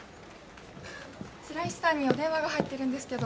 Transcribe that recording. ・白石さんにお電話が入ってるんですけど。